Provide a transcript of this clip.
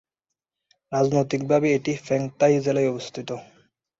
রাজনৈতিকভাবে, এটি ফেংতাই জেলায় অবস্থিত।